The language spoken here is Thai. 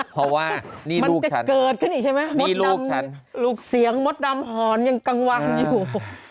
เพราะว่านี่ลูกฉันเกิดขึ้นอีกใช่ไหมลูกเสียงหมดดำหอลยังกังวังอยู่